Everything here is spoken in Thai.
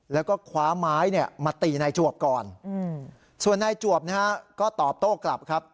แล้วก็คว้าไม้เนี่ยมาตีนายจวบก่อนส่วนนายจวบนะฮะก็ตอบโต้กลับครับ